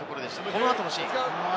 この後のシーン。